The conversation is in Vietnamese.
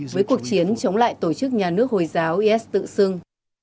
với cuộc chiến chống lại tổ chức nhà nước hồi giáo is tự xưng